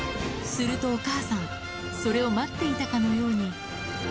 するとお母さん、それを待っていたかのように。